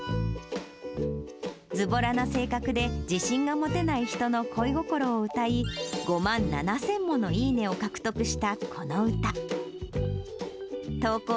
ずぼらな性格で自信が持てない人の恋心を歌い、５万７０００ものいいねを獲得したこの歌。